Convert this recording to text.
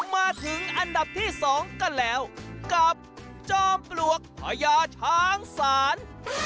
มาถึงอันดับที่๒กันแล้วกับจอมปลวกพญาช้างศาล